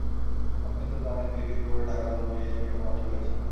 আপনি তো জানেন, তিল তিল করে টাকা জমিয়ে এটার মালিক হয়েছি আমি।